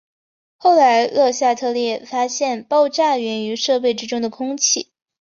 后来勒夏特列发现爆炸缘于设备之中的空气。